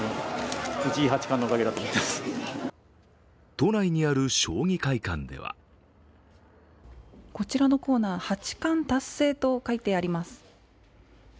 都内にある将棋会館ではこちらのコーナー、八冠達成と書いてあります。